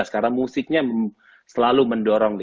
karena musiknya selalu mendorong